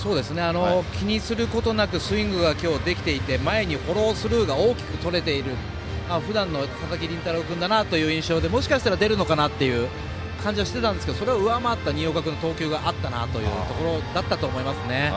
気にすることなくスイングが今日できていて前にフォロースルーが大きくとれている、ふだんの佐々木麟太郎君だなという印象で、もしかしたら出るのかなという感じはしたんですがそれを上回った新岡君の投球があったなというところだったと思いますね。